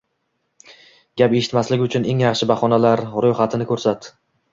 gap eshitmaslik uchun eng yaxhsi bahonalarni ro'yxatini ko'rsat.